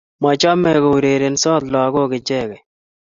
Machamei kourerensot lagok ichegei